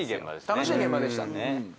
楽しい現場でした。